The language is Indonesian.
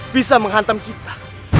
bisa menghantam kita